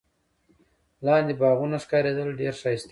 لاندي باغونه ښکارېدل، ډېر ښایسته وو.